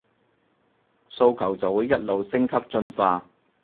訴求就會一路升級進化